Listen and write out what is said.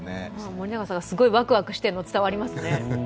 森永さんがすごいわくわくしてるのが伝わりますね。